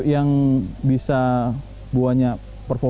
pantai dari arsul